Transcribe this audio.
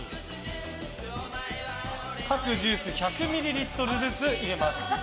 各ジュース１００ミリリットルずつ入れます。